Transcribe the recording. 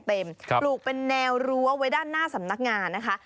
ปลูกเป็นแนวรั้วไว้ด้านหน้าสำนักงานนะคะ